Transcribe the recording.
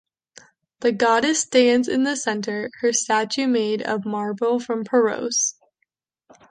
The goddess stands in the center; her statue made of marble from Paros.